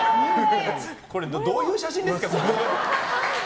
これ、どういう写真ですか。